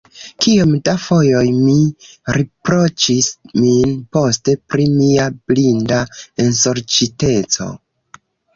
Kiom da fojoj mi riproĉis min poste pri mia blinda ensorĉiteco!